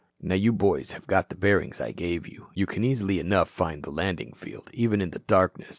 "Now you boys have got the bearings I gave you. You can easy enough find the landing field, even in the darkness.